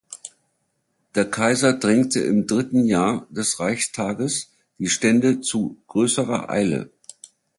Der Kaiser drängte im dritten Jahr des Reichstages die Stände zu größerer Eile.